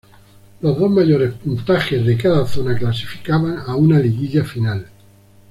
Los dos mayores puntajes de cada zona clasificaban a una liguilla final.